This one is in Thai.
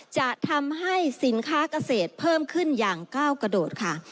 จะทำให้สินค้าเกษตรเพิ่มขึ้นอย่างก้าวกระโดดค่ะ